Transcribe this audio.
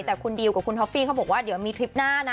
แต่คุณดิวกับคุณท็อฟฟี่เขาบอกว่าเดี๋ยวมีทริปหน้านะ